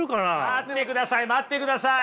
・待ってください待ってください！